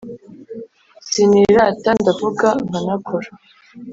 siinirata ndavuga nkanakora